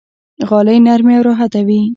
غالۍ نرمې او راحته وي.